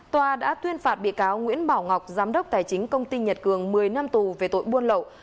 tòa đã tuyên phạt bị cáo nguyễn bảo ngọc giám đốc tài chính công ty nhật cường một mươi năm tù về tội buôn lậu